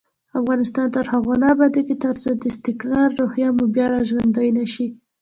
افغانستان تر هغو نه ابادیږي، ترڅو د استقلال روحیه مو بیا راژوندۍ نشي.